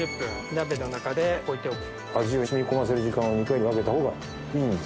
鍋の中で置いておく。